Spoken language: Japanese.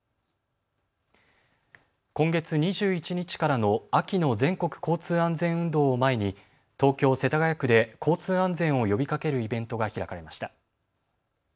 今月２１日からの秋の全国交通安全運動を前に東京世田谷区で交通安全を呼びかけるイベントが開かれました。